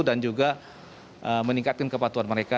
dan juga meningkatkan kepatuhan mereka